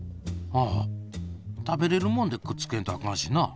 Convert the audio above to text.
あ食べれるもんでくっつけんとあかんしな。